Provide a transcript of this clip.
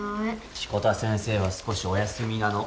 志子田先生は少しお休みなの。